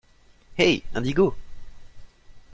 Hey Indigo